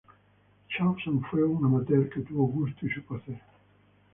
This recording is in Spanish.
Chausson fue un "amateur" que tuvo gusto y supo hacer.